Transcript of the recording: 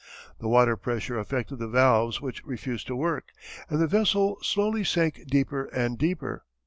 The water pressure affected the valves which refused to work and the vessel slowly sank deeper and deeper.